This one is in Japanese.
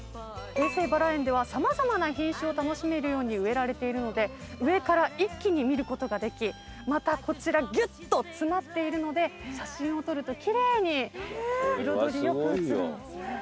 京成バラ園では様々な品種を楽しめるように植えられているので上から一気に見ることができまたこちらギュッと詰まっているので写真を撮ると奇麗に彩りよく写る。